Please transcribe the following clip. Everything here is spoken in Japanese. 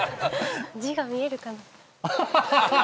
字が見えるかな？ハハハ。